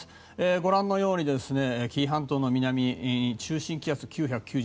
ご覧のように紀伊半島の南中心気圧、９９０